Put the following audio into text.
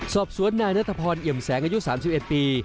สอบสวนนายนัทพรเอี่ยมแสงอายุ๓๑ปี